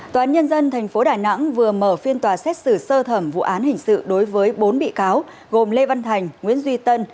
tòa án nhân dân tp đà nẵng vừa mở phiên tòa xét xử sơ thẩm vụ án hình sự đối với bốn bị cáo gồm lê văn thành nguyễn duy tân